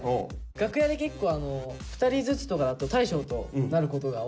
楽屋で結構２人ずつとかだと大昇となることが多くて。